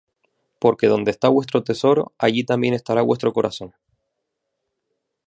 Porque donde está vuestro tesoro, allí también estará vuestro corazón.